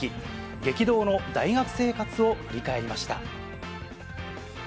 激動の大学生活を振り返りました。